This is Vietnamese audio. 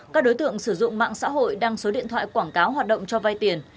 các đối tượng sử dụng mạng xã hội đăng số điện thoại quảng cáo hoạt động cho vay tiền